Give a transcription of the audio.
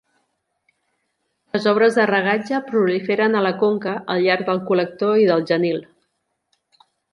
Les obres de regatge proliferen a la conca, al llarg del col·lector i del Genil.